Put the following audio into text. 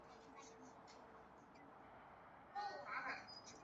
世界杯直播期间因发生蔡枫华对其咸猪手的罗生门事件令其声名大噪。